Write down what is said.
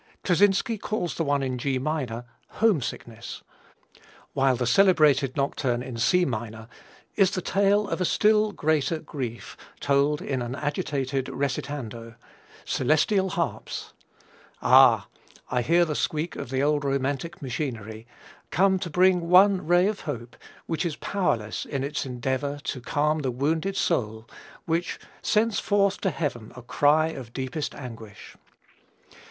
Kleczynski calls the one in G minor "homesickness," while the celebrated Nocturne in C minor "is the tale of a still greater grief told in an agitated recitando; celestial harps" ah! I hear the squeak of the old romantic machinery "come to bring one ray of hope, which is powerless in its endeavor to calm the wounded soul, which...sends forth to heaven a cry of deepest anguish."